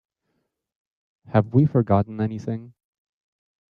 Have we forgotten anything?